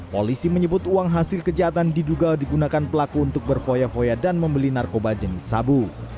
polisi menyebut uang hasil kejahatan diduga digunakan pelaku untuk berfoya foya dan membeli narkoba jenis sabu